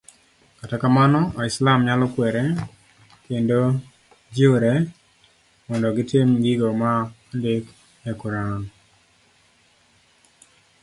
kata kamano, waislam nyalo kuerre kando jiwre mondo gitim gigo ma ondik e Quran